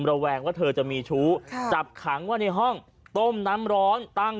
แวงว่าเธอจะมีชู้จับขังไว้ในห้องต้มน้ำร้อนตั้ง